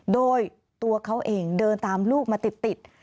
โดยตัวเขาเองเดินตามลูกมาติด